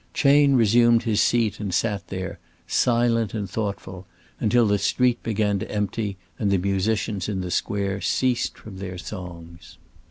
Chayne resumed his seat and sat there, silent and thoughtful, until the street began to empty and the musicians in the square ceased from their songs.